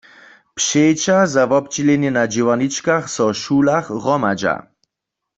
Přeća za wobdźělenje na dźěłarničkach so w šulach hromadźa.